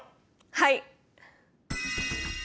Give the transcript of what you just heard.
はい！